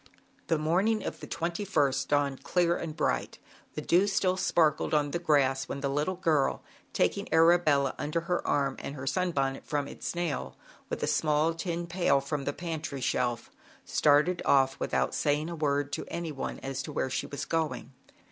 The morning of June 2ist dawned clear and bright, the dew still sparkled 74 ZAUBERLINDA, THE WISE WITCH. on the grass when the little girl, tak ing Arabella under her arm and her sun bonnet from its nail, with a small tin pail from the pantry shelf, started off without saying a word to anyone as to where she was going.